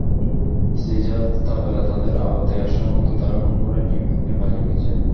Caesar তাবেলা তাদের আওতায় আসা মাত্র তারা খুন করে নির্বিঘ্নে পালিয়ে গেছে।